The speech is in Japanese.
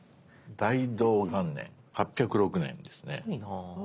大同元年８０６年ですね。